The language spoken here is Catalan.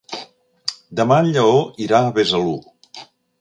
Demà en Lleó irà a Besalú.